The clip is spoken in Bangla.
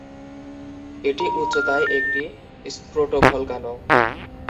এটি উচ্চতায় একটি স্ট্রোটোভলকানো।